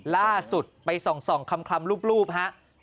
ล่าสุดไปส่องคำรูปฮะ